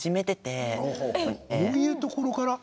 どういうところから？